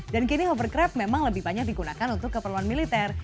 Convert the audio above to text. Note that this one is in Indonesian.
dan kini hovercraft memang lebih banyak digunakan untuk keperluan militer